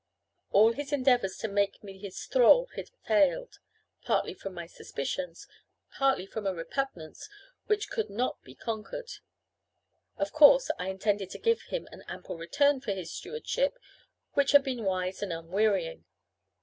All his endeavours to make me his thrall had failed, partly from my suspicions, partly from a repugnance which could not be conquered. Of course, I intended to give him an ample return for his stewardship, which had been wise and unwearying.